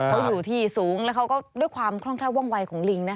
เขาอยู่ที่สูงแล้วเขาก็ด้วยความคล่องแคล่วว่องวัยของลิงนะคะ